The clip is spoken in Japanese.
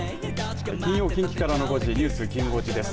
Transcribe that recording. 金曜近畿からの５時ニュースきん５時です。